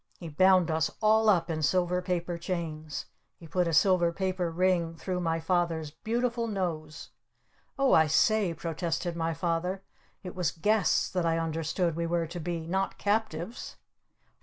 He bound us all up in silver paper chains! He put a silver paper ring through my Father's beautiful nose! "Oh, I say," protested my Father. "It was 'guests' that I understood we were to be! Not captives!"